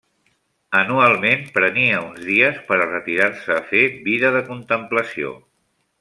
Anualment, prenia uns dies per a retirar-se a fer vida de contemplació.